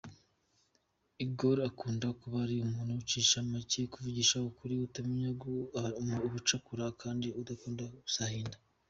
Igor akunze kuba ari umuntu ucisha make, uvugisha ukuri utamenya ubucakura kandi udakunda gusahinda.